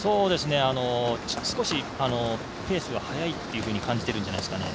少し、ペースが速いと感じてるんじゃないですかね。